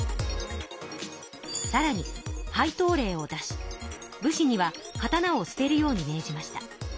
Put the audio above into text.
さらに廃刀令を出し武士には刀をすてるように命じました。